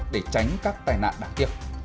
để tránh các tai nạn đáng tiếc